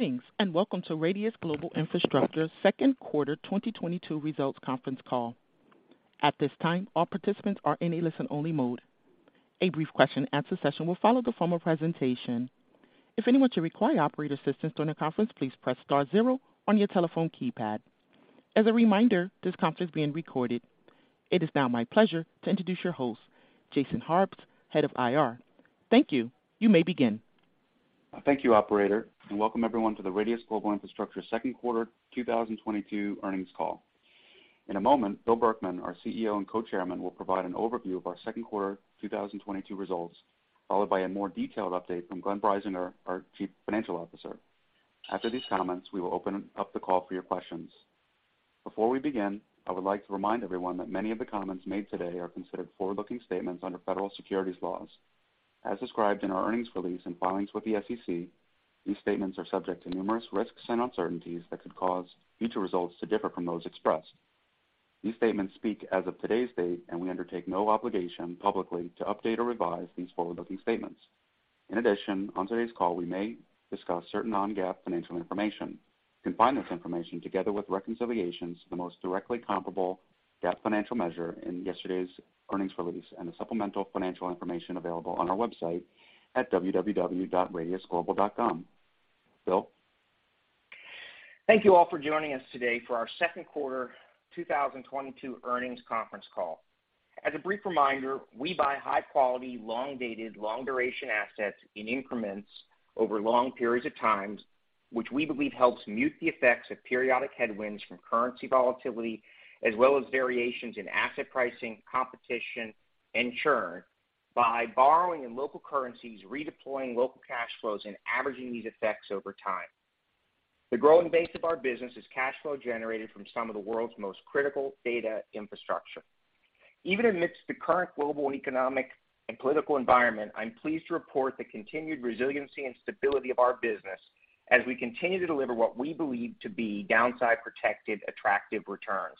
Greetings, and welcome to Radius Global Infrastructure second quarter 2022 results conference call. At this time, all participants are in a listen-only mode. A brief question-and-answer session will follow the formal presentation. If anyone should require operator assistance during the conference, please press star zero on your telephone keypad. As a reminder, this conference is being recorded. It is now my pleasure to introduce your host, Jason Harbes, Head of IR. Thank you. You may begin. Thank you, operator, and welcome everyone to the Radius Global Infrastructure second quarter 2022 earnings call. In a moment, Bill Berkman, our CEO and Co-Chairman, will provide an overview of our second quarter 2022 results, followed by a more detailed update from Glenn Breisinger, our Chief Financial Officer. After these comments, we will open up the call for your questions. Before we begin, I would like to remind everyone that many of the comments made today are considered forward-looking statements under federal securities laws. As described in our earnings release and filings with the SEC, these statements are subject to numerous risks and uncertainties that could cause future results to differ from those expressed. These statements speak as of today's date, and we undertake no obligation publicly to update or revise these forward-looking statements. In addition, on today's call, we may discuss certain non-GAAP financial information. You can find this information together with reconciliations to the most directly comparable GAAP financial measure in yesterday's earnings release and the supplemental financial information available on our website at www.radiusglobal.com. Bill? Thank you all for joining us today for our second quarter 2022 earnings conference call. As a brief reminder, we buy high quality, long-dated, long-duration assets in increments over long periods of times, which we believe helps mute the effects of periodic headwinds from currency volatility as well as variations in asset pricing, competition, and churn by borrowing in local currencies, redeploying local cash flows, and averaging these effects over time. The growing base of our business is cash flow generated from some of the world's most critical data infrastructure. Even amidst the current global and economic and political environment, I'm pleased to report the continued resiliency and stability of our business as we continue to deliver what we believe to be downside protected, attractive returns.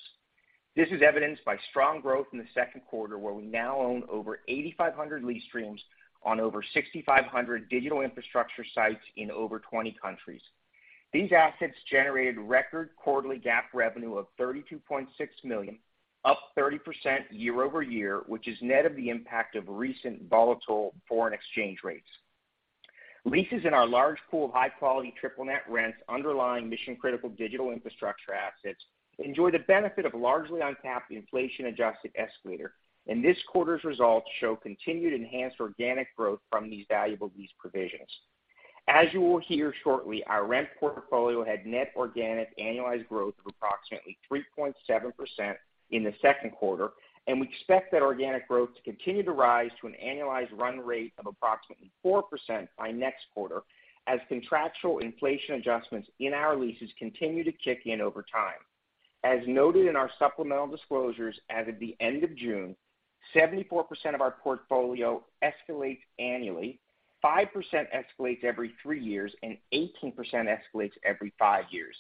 This is evidenced by strong growth in the second quarter, where we now own over 8,500 lease streams on over 6,500 digital infrastructure sites in over 20 countries. These assets generated record quarterly GAAP revenue of $32.6 million, up 30% year-over-year, which is net of the impact of recent volatile foreign exchange rates. Leases in our large pool of high-quality triple net rents underlying mission-critical digital infrastructure assets enjoy the benefit of a largely untapped inflation-adjusted escalator, and this quarter's results show continued enhanced organic growth from these valuable lease provisions. As you will hear shortly, our rent portfolio had net organic annualized growth of approximately 3.7% in the second quarter, and we expect that organic growth to continue to rise to an annualized run rate of approximately 4% by next quarter as contractual inflation adjustments in our leases continue to kick in over time. As noted in our supplemental disclosures as of the end of June, 74% of our portfolio escalates annually, 5% escalates every three years, and 18% escalates every five years.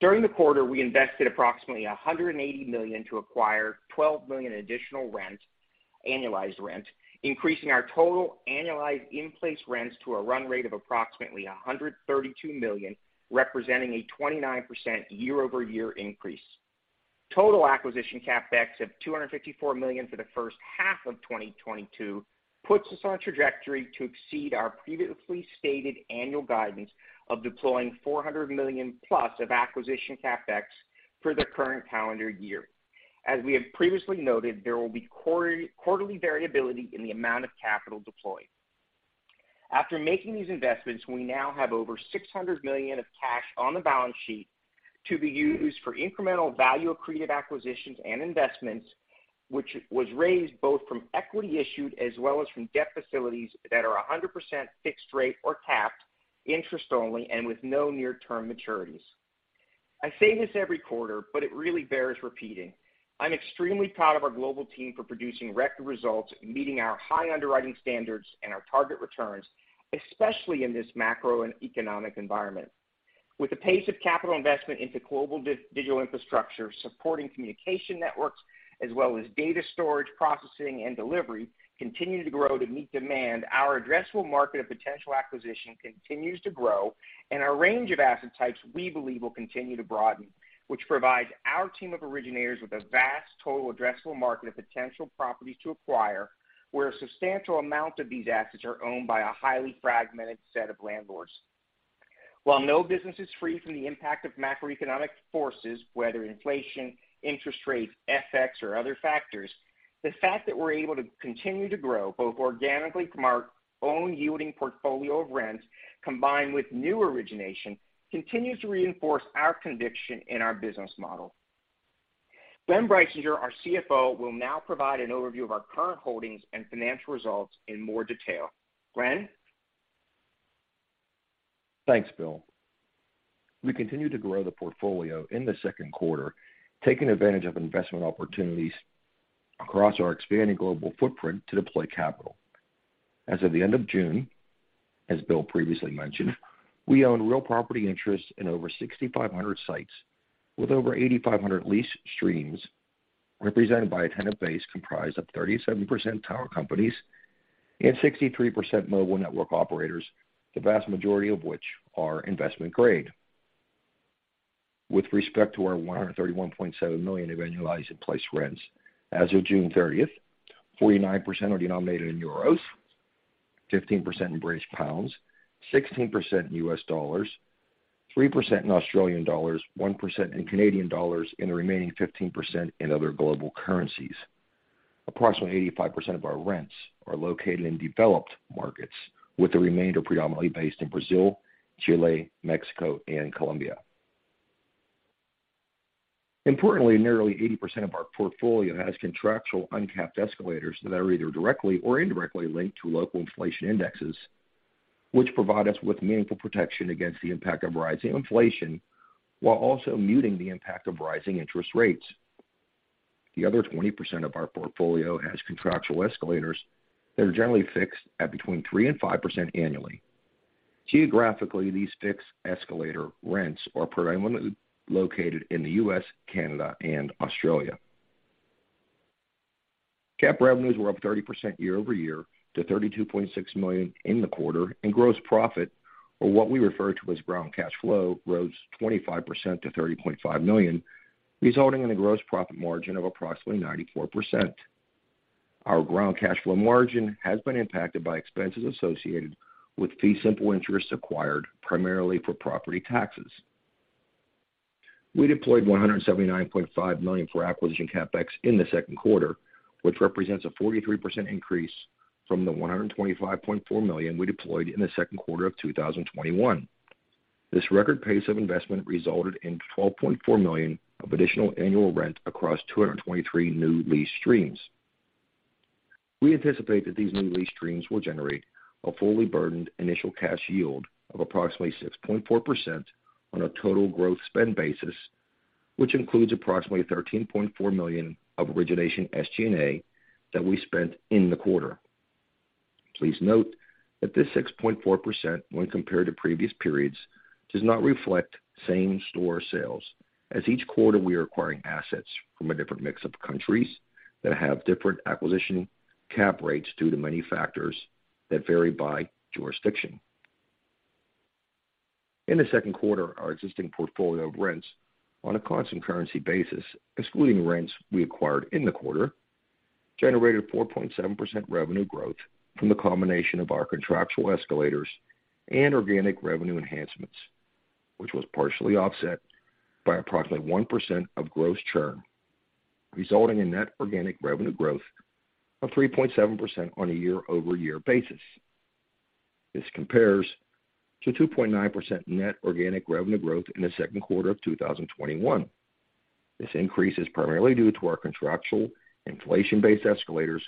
During the quarter, we invested approximately $180 million to acquire $12 million additional annualized rent, increasing our total annualized in-place rents to a run rate of approximately $132 million, representing a 29% year-over-year increase. Total Acquisition CapEx of $254 million for the first half of 2022 puts us on a trajectory to exceed our previously stated annual guidance of deploying $400+ million of Acquisition CapEx for the current calendar year. As we have previously noted, there will be quarterly variability in the amount of capital deployed. After making these investments, we now have over $600 million of cash on the balance sheet to be used for incremental value accretive acquisitions and investments, which was raised both from equity issued as well as from debt facilities that are 100% fixed rate or capped, interest only, and with no near-term maturities. I say this every quarter, but it really bears repeating. I'm extremely proud of our global team for producing record results and meeting our high underwriting standards and our target returns, especially in this macro and economic environment. With the pace of capital investment into global digital infrastructure supporting communication networks as well as data storage, processing, and delivery continuing to grow to meet demand, our addressable market of potential acquisition continues to grow, and our range of asset types we believe will continue to broaden, which provides our team of originators with a vast total addressable market of potential properties to acquire, where a substantial amount of these assets are owned by a highly fragmented set of landlords. While no business is free from the impact of macroeconomic forces, whether inflation, interest rates, FX, or other factors, the fact that we're able to continue to grow both organically from our own yielding portfolio of rents combined with new origination continues to reinforce our conviction in our business model. Glenn Breisinger, our CFO, will now provide an overview of our current holdings and financial results in more detail. Glenn? Thanks, Bill. We continued to grow the portfolio in the second quarter, taking advantage of investment opportunities across our expanding global footprint to deploy capital. As of the end of June, as Bill previously mentioned, we own real property interests in over 6,500 sites with over 8,500 lease streams represented by a tenant base comprised of 37% tower companies and 63% mobile network operators, the vast majority of which are investment grade. With respect to our $131.7 million of annualized in-place rents as of June 30th, 49% are denominated in euros, 15% in British pounds, 16% in U.S. dollars, 3% in Australian dollars, 1% in Canadian dollars, and the remaining 15% in other global currencies. Approximately 85% of our rents are located in developed markets, with the remainder predominantly based in Brazil, Chile, Mexico, and Colombia. Importantly, nearly 80% of our portfolio has contractual uncapped escalators that are either directly or indirectly linked to local inflation indexes, which provide us with meaningful protection against the impact of rising inflation while also muting the impact of rising interest rates. The other 20% of our portfolio has contractual escalators that are generally fixed at between 3% and 5% annually. Geographically, these fixed escalator rents are predominantly located in the U.S., Canada, and Australia. GAAP revenues were up 30% year-over-year to $32.6 million in the quarter, and gross profit, or what we refer to as ground cash flow, rose 25% to $30.5 million, resulting in a gross profit margin of approximately 94%. Our ground cash flow margin has been impacted by expenses associated with fee simple interests acquired primarily for property taxes. We deployed $179.5 million for acquisition CapEx in the second quarter, which represents a 43% increase from the $125.4 million we deployed in the second quarter of 2021. This record pace of investment resulted in $12.4 million of additional annual rent across 223 new lease streams. We anticipate that these new lease streams will generate a fully burdened initial cash yield of approximately 6.4% on a total growth spend basis, which includes approximately $13.4 million of origination SG&A that we spent in the quarter. Please note that this 6.4% when compared to previous periods does not reflect same-store sales, as each quarter we are acquiring assets from a different mix of countries that have different acquisition cap rates due to many factors that vary by jurisdiction. In the second quarter, our existing portfolio of rents on a constant currency basis, excluding rents we acquired in the quarter, generated 4.7% revenue growth from the combination of our contractual escalators and organic revenue enhancements, which was partially offset by approximately 1% of gross churn, resulting in net organic revenue growth of 3.7% on a year-over-year basis. This compares to 2.9% net organic revenue growth in the second quarter of 2021. This increase is primarily due to our contractual inflation-based escalators,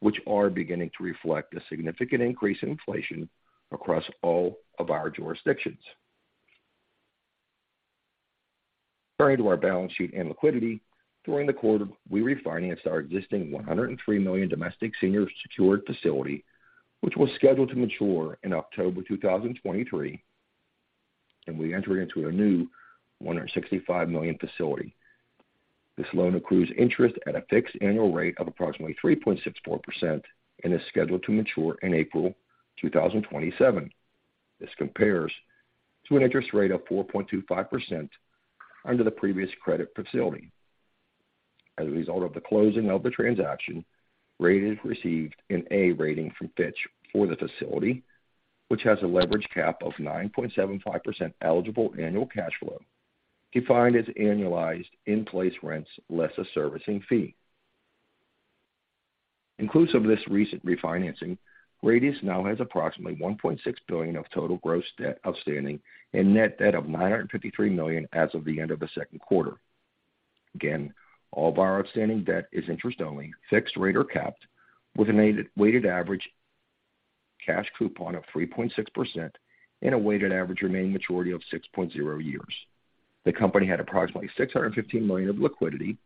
which are beginning to reflect a significant increase in inflation across all of our jurisdictions. Turning to our balance sheet and liquidity, during the quarter, we refinanced our existing $103 million domestic senior secured facility, which was scheduled to mature in October 2023, and we entered into a new $165 million facility. This loan accrues interest at a fixed annual rate of approximately 3.64% and is scheduled to mature in April 2027. This compares to an interest rate of 4.25% under the previous credit facility. As a result of the closing of the transaction, Radius received an A rating from Fitch for the facility, which has a leverage cap of 9.75% eligible annual cash flow, defined as annualized in-place rents less a servicing fee. Inclusive of this recent refinancing, Radius now has approximately $1.6 billion of total gross debt outstanding and net debt of $953 million as of the end of the second quarter. Again, all of our outstanding debt is interest only, fixed rate or capped, with a weighted average cash coupon of 3.6% and a weighted average remaining maturity of 6.0 years. The company had approximately $615 million of liquidity,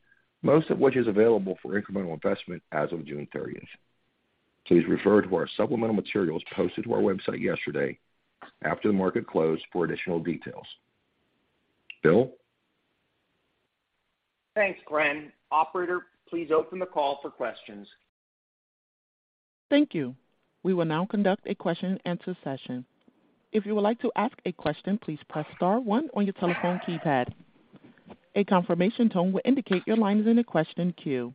most of which is available for incremental investment as of June 30th. Please refer to our supplemental materials posted to our website yesterday after the market closed for additional details. Bill? Thanks, Glenn. Operator, please open the call for questions. Thank you. We will now conduct a question and answer session. If you would like to ask a question, please press star one on your telephone keypad. A confirmation tone will indicate your line is in a question queue.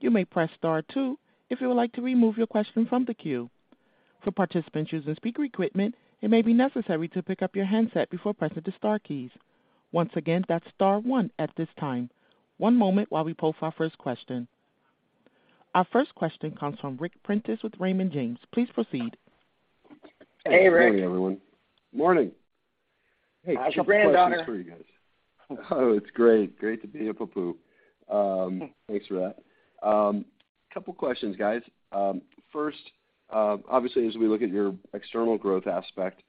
You may press star two if you would like to remove your question from the queue. For participants using speaker equipment, it may be necessary to pick up your handset before pressing the star keys. Once again, that's star one at this time. One moment while we poll for our first question. Our first question comes from Ric Prentiss with Raymond James. Please proceed. Hey, Ric. Good morning, everyone. Morning. Hey, couple questions for you guys. How's your granddaughter? Oh, it's great. Great to be a papu. Thanks for that. Couple questions, guys. First, obviously, as we look at your external growth aspect,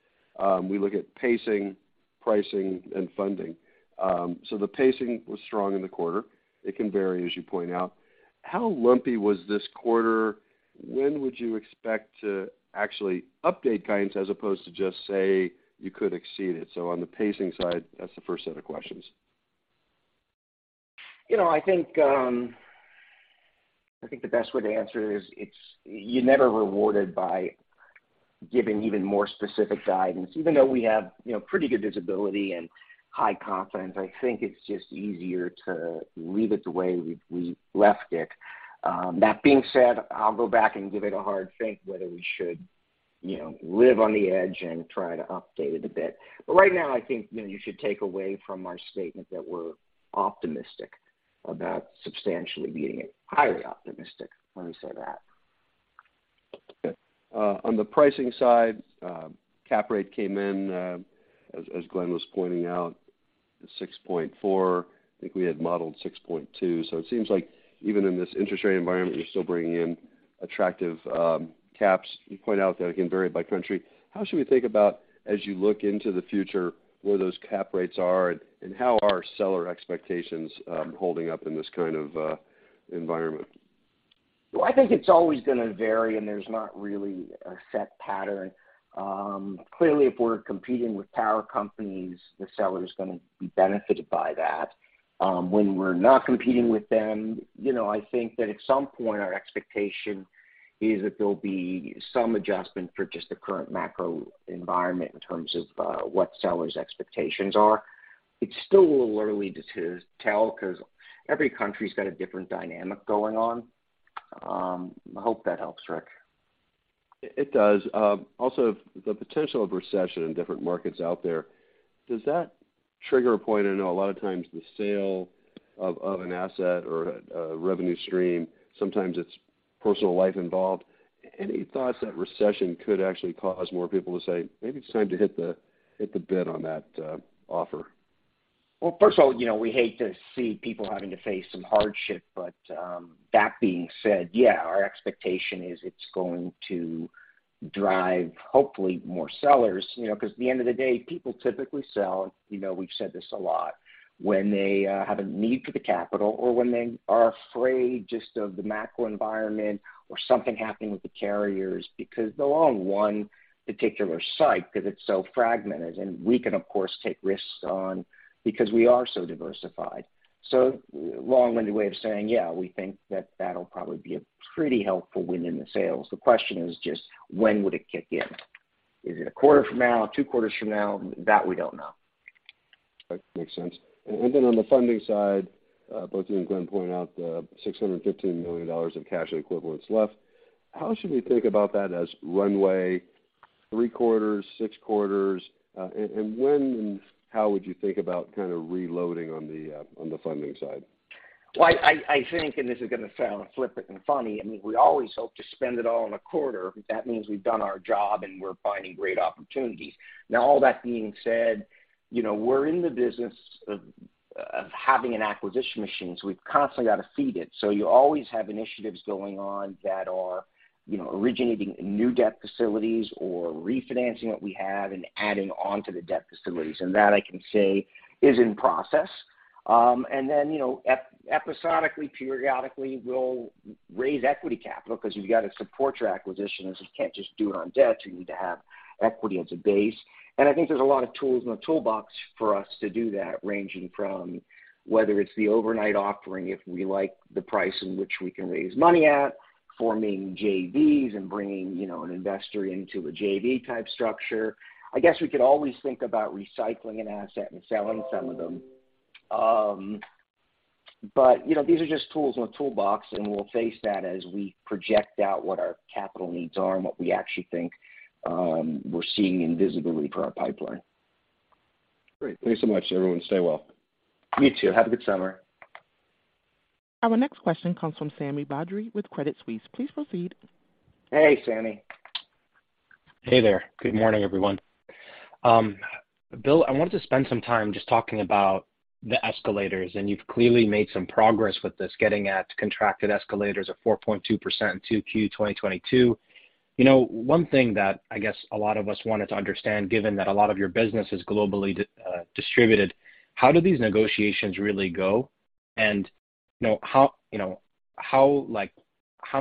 we look at pacing, pricing, and funding. The pacing was strong in the quarter. It can vary, as you point out. How lumpy was this quarter? When would you expect to actually update guidance as opposed to just say you could exceed it? On the pacing side, that's the first set of questions. You know, I think the best way to answer it is it's you're never rewarded by giving even more specific guidance. Even though we have, you know, pretty good visibility and high confidence, I think it's just easier to leave it the way we left it. That being said, I'll go back and give it a hard think whether we should, you know, live on the edge and try to update it a bit. Right now, I think, you know, you should take away from our statement that we're optimistic about substantially beating it. Highly optimistic, let me say that. Okay. On the pricing side, cap rate came in, as Glenn was pointing out, at 6.4%. I think we had modeled 6.2%. It seems like even in this interest rate environment, you're still bringing in attractive caps. You point out that, again, vary by country. How should we think about, as you look into the future, where those cap rates are and how are seller expectations holding up in this kind of environment? Well, I think it's always gonna vary, and there's not really a set pattern. Clearly, if we're competing with power companies, the seller's gonna be benefited by that. When we're not competing with them, you know, I think that at some point our expectation is that there'll be some adjustment for just the current macro environment in terms of what sellers' expectations are. It's still a little early to tell because every country's got a different dynamic going on. I hope that helps, Ric. It does. Also the potential of recession in different markets out there, does that trigger a point? I know a lot of times the sale of an asset or a revenue stream, sometimes it's personal life involved. Any thoughts that recession could actually cause more people to say, "Maybe it's time to hit the bid on that, offer? Well, first of all, you know, we hate to see people having to face some hardship, but, that being said, yeah, our expectation is it's going to drive, hopefully, more sellers. You know, because at the end of the day, people typically sell, you know, we've said this a lot, when they have a need for the capital or when they are afraid just of the macro environment or something happening with the carriers, because they'll own one particular site because it's so fragmented, and we can, of course, take risks on because we are so diversified. Long-winded way of saying, yeah, we think that that'll probably be a pretty helpful win in the sales. The question is just when would it kick in? Is it a quarter from now, two quarters from now? That we don't know. That makes sense. Then on the funding side, both you and Glenn pointed out the $615 million in cash equivalents left. How should we think about that as runway, three quarters, six quarters? When and how would you think about kind of reloading on the funding side? Well, I think, and this is gonna sound flippant and funny, I mean, we always hope to spend it all in a quarter. That means we've done our job, and we're finding great opportunities. Now, all that being said, you know, we're in the business of having an acquisition machine, so we've constantly got to feed it. You always have initiatives going on that are, you know, originating new debt facilities or refinancing what we have and adding on to the debt facilities, and that I can say is in process. And then, you know, episodically, periodically, we'll raise equity capital because you've got to support your acquisition, as you can't just do it on debt. You need to have equity as a base. I think there's a lot of tools in the toolbox for us to do that, ranging from whether it's the overnight offering, if we like the price in which we can raise money at, forming JVs and bringing, you know, an investor into a JV-type structure. I guess we could always think about recycling an asset and selling some of them. You know, these are just tools in the toolbox, and we'll face that as we project out what our capital needs are and what we actually think we're seeing in visibility for our pipeline. Great. Thanks so much, everyone. Stay well. You too. Have a good summer. Our next question comes from Sami Badri with Credit Suisse. Please proceed. Hey, Sami. Hey there. Good morning, everyone. Bill, I wanted to spend some time just talking about the escalators, and you've clearly made some progress with this, getting at contracted escalators of 4.2% in 2Q 2022. You know, one thing that I guess a lot of us wanted to understand, given that a lot of your business is globally distributed, how do these negotiations really go? How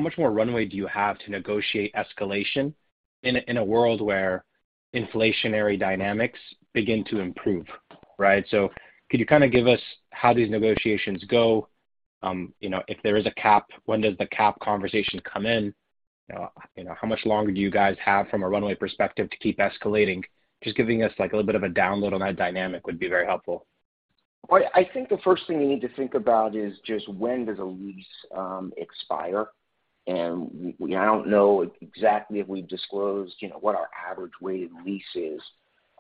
much more runway do you have to negotiate escalation in a world where inflationary dynamics begin to improve, right? Could you kind of give us how these negotiations go? If there is a cap, when does the cap conversation come in? How much longer do you guys have from a runway perspective to keep escalating? Just giving us, like, a little bit of a download on that dynamic would be very helpful. Well, I think the first thing you need to think about is just when does a lease expire. I don't know exactly if we've disclosed, you know, what our average weighted lease is.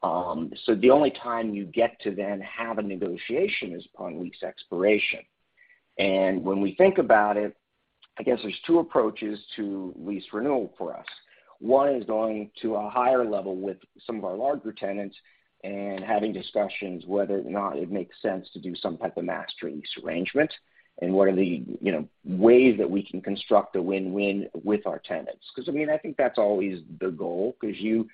The only time you get to then have a negotiation is upon lease expiration. When we think about it, I guess there's two approaches to lease renewal for us. One is going to a higher level with some of our larger tenants and having discussions whether or not it makes sense to do some type of master lease arrangement and what are the, you know, ways that we can construct a win-win with our tenants. I mean, I think that's always the goal because you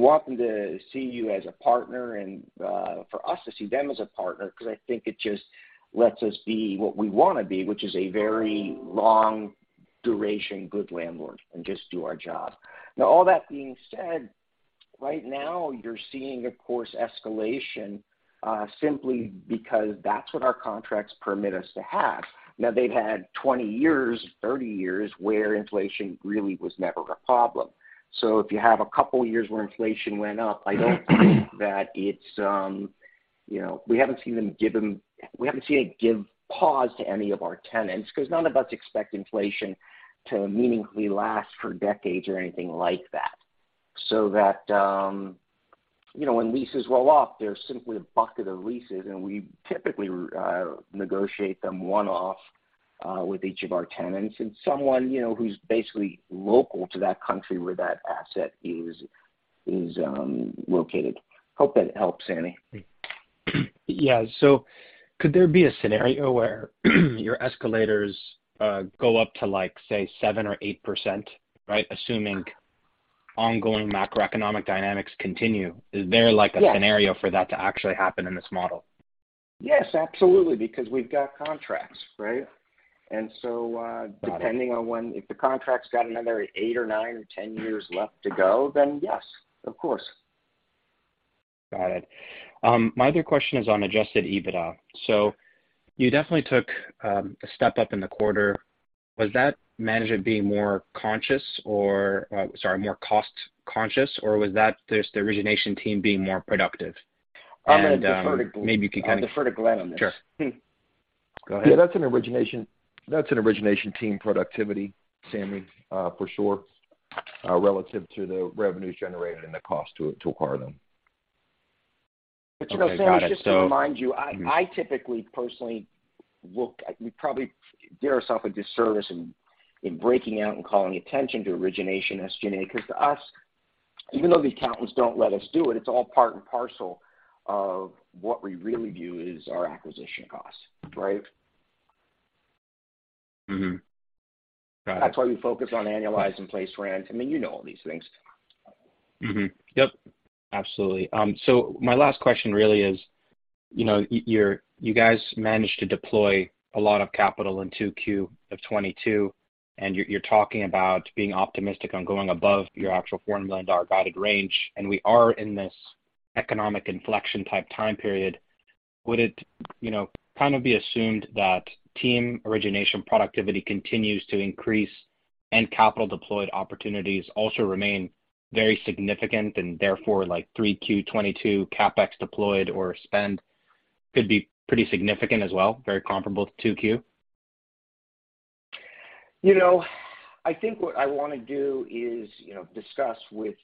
want them to see you as a partner and, for us to see them as a partner because I think it just lets us be what we want to be, which is a very long duration, good landlord, and just do our job. Now, all that being said. Right now you're seeing, of course, escalation, simply because that's what our contracts permit us to have. Now, they've had 20 years, 30 years where inflation really was never a problem. If you have a couple years where inflation went up, I don't think that it's, you know, we haven't seen it give pause to any of our tenants because none of us expect inflation to meaningfully last for decades or anything like that. That when leases roll off, they're simply a bucket of leases, and we typically negotiate them one-off with each of our tenants and someone who's basically local to that country where that asset is located. Hope that helps, Sami. Yeah. Could there be a scenario where your escalators go up to, like, say, 7% or 8%, right? Assuming ongoing macroeconomic dynamics continue. Is there like- Yes. A scenario for that to actually happen in this model? Yes, absolutely. Because we've got contracts, right? Got it. If the contract's got another eight or nine or 10 years left to go, then yes, of course. Got it. My other question is on Adjusted EBITDA. You definitely took a step up in the quarter. Was that management being more cost-conscious, or was that just the origination team being more productive? I'm gonna defer to Glenn. Maybe you can kind of- I'll defer to Glenn on this. Sure. Go ahead. Yeah, that's an origination team productivity, Sami, for sure, relative to the revenues generated and the cost to acquire them. Okay. Got it. You know, Sami, just to remind you, I typically personally look at. We probably do ourselves a disservice in breaking out and calling attention to origination SG&A, because to us, even though the accountants don't let us do it's all part and parcel of what we really view is our acquisition costs, right? Mm-hmm. Got it. That's why we focus on annualized in-place rent. I mean, you know all these things. Mm-hmm. Yep, absolutely. My last question really is, you know, you guys managed to deploy a lot of capital in 2Q of 2022, and you're talking about being optimistic on going above your actual $4 million guided range, and we are in this economic inflection type time period. Would it, you know, kind of be assumed that team origination productivity continues to increase and capital deployed opportunities also remain very significant and therefore like 3Q 2022 CapEx deployed or spend could be pretty significant as well, very comparable to 2Q? You know, I think what I wanna do is, you know, discuss with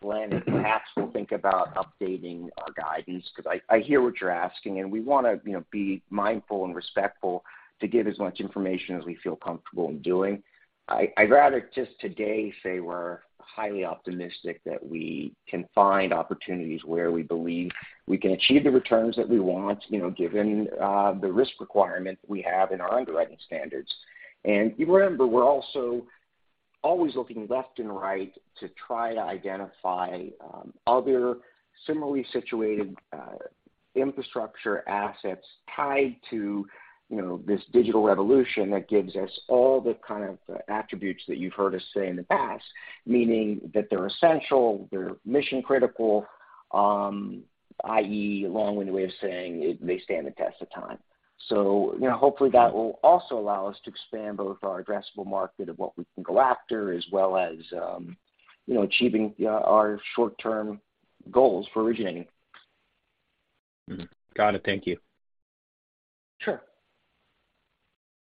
Glenn, and perhaps we'll think about updating our guidance because I hear what you're asking, and we wanna, you know, be mindful and respectful to give as much information as we feel comfortable in doing. I'd rather just today say we're highly optimistic that we can find opportunities where we believe we can achieve the returns that we want, you know, given the risk requirement we have in our underwriting standards. You remember, we're also always looking left and right to try to identify other similarly situated infrastructure assets tied to, you know, this digital revolution that gives us all the kind of attributes that you've heard us say in the past, meaning that they're essential, they're mission-critical, i.e., long-winded way of saying they stand the test of time. Hopefully that will also allow us to expand both our addressable market of what we can go after, as well as achieving our short-term goals for originating. Mm-hmm. Got it. Thank you. Sure.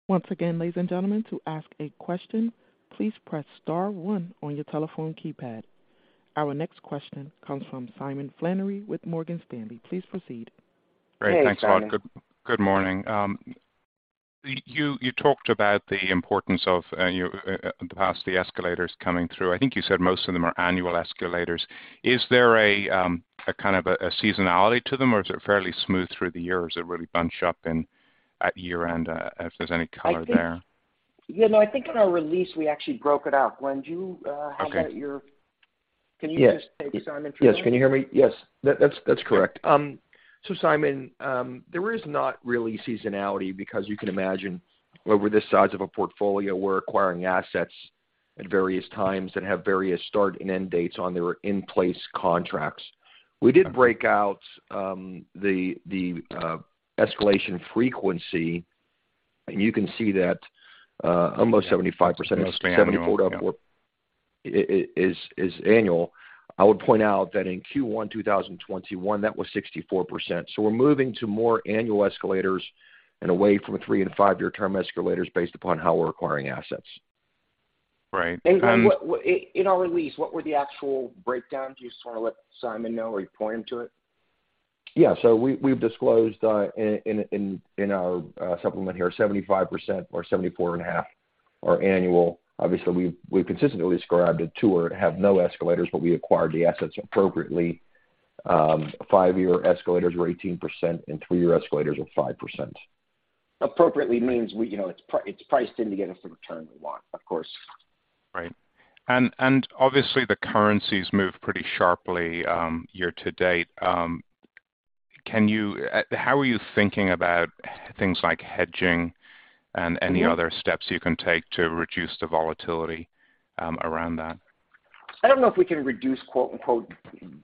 Once again, ladies and gentlemen, to ask a question, please press star one on your telephone keypad. Our next question comes from Simon Flannery with Morgan Stanley. Please proceed. Hey, Simon. Great. Thanks and good morning. You talked about the importance of in the past the escalators coming through. I think you said most of them are annual escalators. Is there a kind of seasonality to them, or is it fairly smooth through the year, or is it really bunched up in at year-end, if there's any color there? I think you know, I think in our release, we actually broke it out. Glenn, do you? Okay. Can you just- Yes. Maybe Simon can. Yes. Can you hear me? Yes. That's correct. Simon, there is not really seasonality because you can imagine with this size of a portfolio, we're acquiring assets at various times that have various start and end dates on their in-place contracts. We did break out the escalation frequency, and you can see that almost 75%- Most of annual. Yep. Is annual. I would point out that in Q1 2021, that was 64%. We're moving to more annual escalators and away from a three and a five-year term escalators based upon how we're acquiring assets. Right. In our release, what were the actual breakdown? Do you just wanna let Simon know or you point him to it? Yeah. We've disclosed in our supplement here, 75% or 74.5 are annual. Obviously, we've consistently described it, two have no escalators, but we acquired the assets appropriately. Five-year escalators were 18% and three-year escalators were 5%. Appropriately means we, you know, it's priced in to get us the return we want, of course. Right. Obviously, the currencies move pretty sharply, year-to-date. How are you thinking about things like hedging and any other steps you can take to reduce the volatility around that? I don't know if we can reduce quote-unquote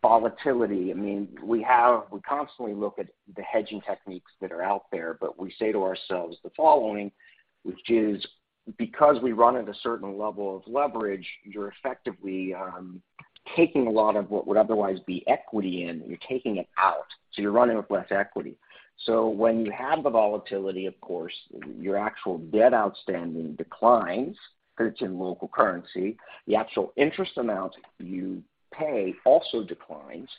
volatility. I mean, we constantly look at the hedging techniques that are out there, but we say to ourselves the following, which is because we run at a certain level of leverage, you're effectively taking a lot of what would otherwise be equity in, you're taking it out, so you're running with less equity. When you have the volatility, of course, your actual debt outstanding declines in local currency. The actual interest amount you pay also declines.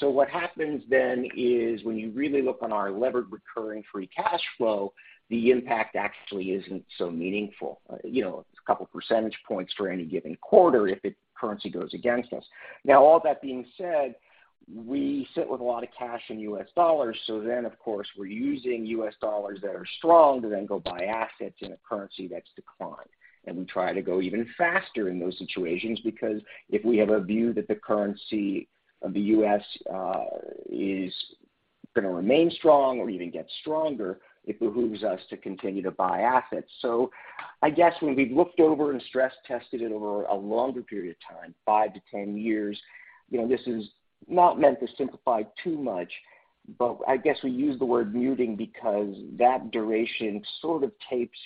What happens then is when you really look at our levered recurring free cash flow, the impact actually isn't so meaningful. You know, it's a couple percentage points for any given quarter if currency goes against us. Now all that being said, we sit with a lot of cash in U.S. dollars, so then, of course, we're using U.S. dollars that are strong to then go buy assets in a currency that's declined. We try to go even faster in those situations because if we have a view that the currency of the U.S. is gonna remain strong or even get stronger, it behooves us to continue to buy assets. I guess when we've looked over and stress tested it over a longer period of time, five-10 years, you know, this is not meant to simplify too much, but I guess we use the word muting because that duration sort of takes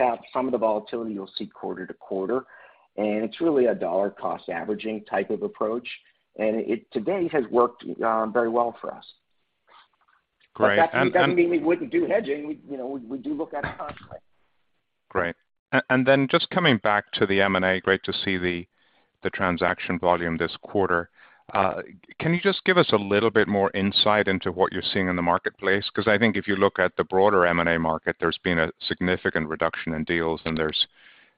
out some of the volatility you'll see quarter to quarter, and it's really a dollar cost averaging type of approach. Today, has worked very well for us. Great. That doesn't mean we wouldn't do hedging. We do look at it constantly. Great. Then just coming back to the M&A, great to see the transaction volume this quarter. Can you just give us a little bit more insight into what you're seeing in the marketplace? 'Cause I think if you look at the broader M&A market, there's been a significant reduction in deals and there's,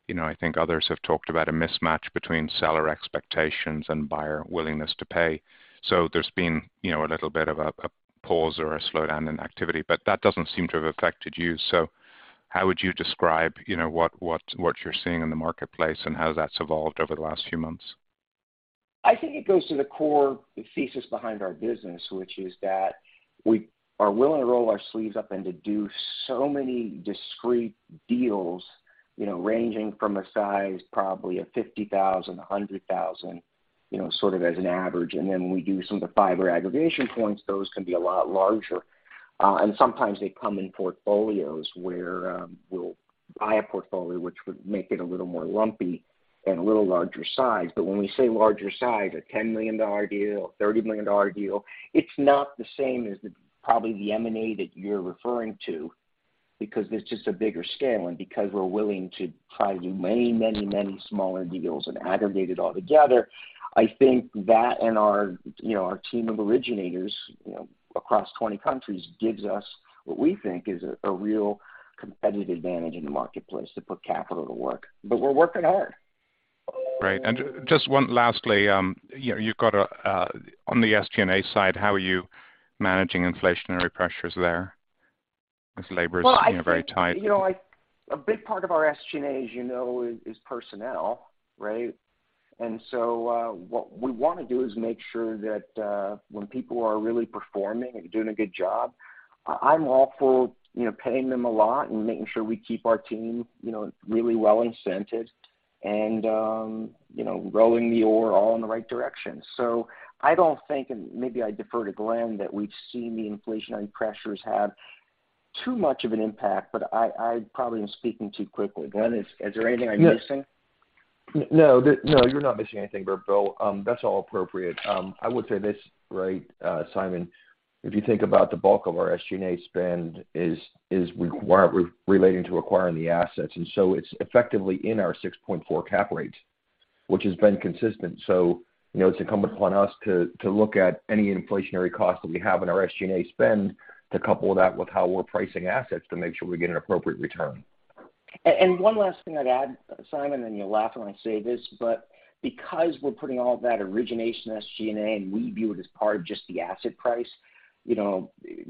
you know, I think others have talked about a mismatch between seller expectations and buyer willingness to pay. There's been, you know, a little bit of a pause or a slowdown in activity, but that doesn't seem to have affected you. How would you describe what you're seeing in the marketplace and how that's evolved over the last few months? I think it goes to the core thesis behind our business, which is that we are willing to roll our sleeves up and to do so many discrete deals ranging from a size probably of $50,000, $100,000 sort of as an average. Then we do some of the fiber aggregation points. Those can be a lot larger. Sometimes they come in portfolios where we'll buy a portfolio, which would make it a little more lumpy and a little larger size. When we say larger size, a $10 million deal, a $30 million deal, it's not the same as the, probably the M&A that you're referring to because there's just a bigger scale. Because we're willing to try to do many, many, many smaller deals and aggregate it all together, I think that and our team of originators across 20 countries gives us what we think is a real competitive advantage in the marketplace to put capital to work. We're working hard. Great. Just one lastly you've got on the SG&A side, how are you managing inflationary pressures there as labor is very tight? I think a big part of our SG&A, as you know, is personnel, right? What we wanna do is make sure that when people are really performing and doing a good job, I'm all for paying them a lot and making sure we keep our team really well incentivized and rowing the oar all in the right direction. I don't think, and maybe I defer to Glenn, that we've seen the inflationary pressures have too much of an impact, but I probably am speaking too quickly. Glenn, is there anything I'm missing? No. No, you're not missing anything, Bill, though. That's all appropriate. I would say this, right, Simon. If you think about the bulk of our SG&A spend is relating to acquiring the assets, and so it's effectively in our 6.4 cap rate, which has been consistent. It's incumbent upon us to look at any inflationary cost that we have in our SG&A spend to couple that with how we're pricing assets to make sure we get an appropriate return. One last thing I'd add, Simon, and you'll laugh when I say this, but because we're putting all that origination SG&A, and we view it as part of just the asset price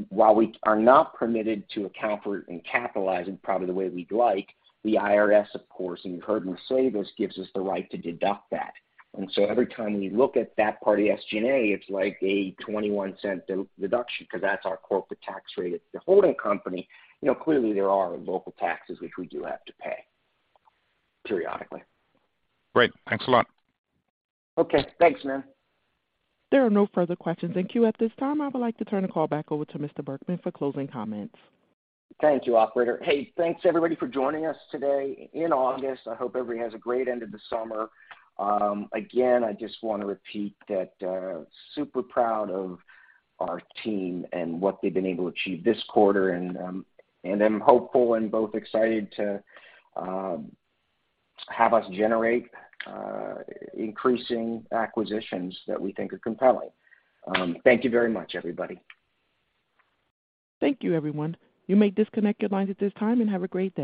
while we are not permitted to account for it and capitalize it probably the way we'd like, the IRS, of course, and you've heard me say this, gives us the right to deduct that. Every time we look at that part of the SG&A, it's like a $0.21 deduction because that's our corporate tax rate at the holding company. Clearly there are local taxes which we do have to pay periodically. Great. Thanks a lot. Okay. Thanks, man. There are no further questions in queue at this time. I would like to turn the call back over to Mr. Berkman for closing comments. Thank you, operator. Hey, thanks everybody for joining us today in August. I hope everybody has a great end of the summer. Again, I just wanna repeat that, super proud of our team and what they've been able to achieve this quarter, and I'm hopeful and both excited to have us generate increasing acquisitions that we think are compelling. Thank you very much, everybody. Thank you, everyone. You may disconnect your lines at this time, and have a great day.